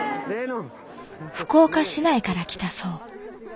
福岡市内から来たそう。